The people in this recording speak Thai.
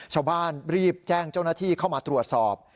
ชาวบ้านรีบแจ้งเจ้าหน้าที่เข้ามาตรวจสอบ